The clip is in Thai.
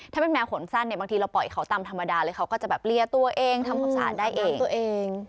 ถ้าเป็นแมวขนสั้นเนี่ยบางทีเราปล่อยเขาตามธรรมดาเลยเขาก็จะแบบเรียตัวเองทำความสะอาดได้เองตัวเอง